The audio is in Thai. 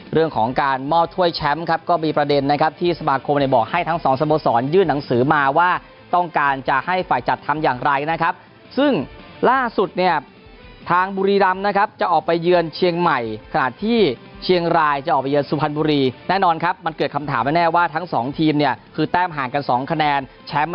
เรื่องของการมอบถ้วยแชมป์ครับก็มีประเด็นนะครับที่สมาคมเนี่ยบอกให้ทั้งสองสโมสรยื่นหนังสือมาว่าต้องการจะให้ฝ่ายจัดทำอย่างไรนะครับซึ่งล่าสุดเนี่ยทางบุรีรำนะครับจะออกไปเยือนเชียงใหม่ขนาดที่เชียงรายจะออกไปเยือนสุพรรณบุรีแน่นอนครับมันเกิดคำถามแน่ว่าทั้งสองทีมเนี่ยคือแต้มห่างกันสองคะแนนแชมป์